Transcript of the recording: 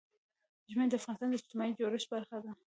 ژمی د افغانستان د اجتماعي جوړښت برخه ده.